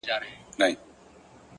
بریا تصادف نه بلکې انتخاب دی.